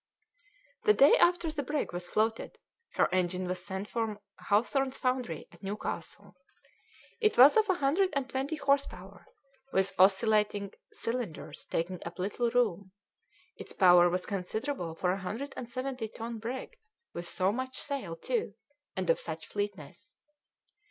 The day after the brig was floated her engine was sent from Hawthorn's foundry at Newcastle. It was of a hundred and twenty horse power, with oscillating cylinders, taking up little room; its power was considerable for a hundred and seventy ton brig, with so much sail, too, and of such fleetness.